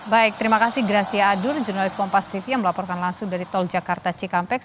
baik terima kasih gracia adur jurnalis kompas tv yang melaporkan langsung dari tol jakarta cikampek